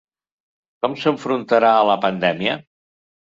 Com s’enfrontarà a la pandèmia?